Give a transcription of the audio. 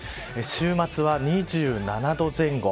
週末は２７度前後。